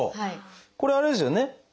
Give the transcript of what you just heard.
これあれですよね。